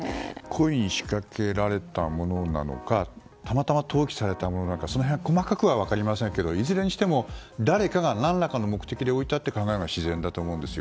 故意に仕掛けられたものなのかたまたま投棄されたものなのか細かくは分かりませんけどいずれにしても誰かが何らかの目的で置いたという考えが自然だと思います。